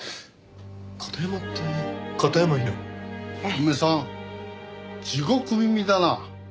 お前さん地獄耳だな。